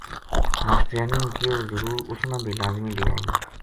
ماشٹریانی نے کہیو ضرور اُس نا بے لازمی لے آیئے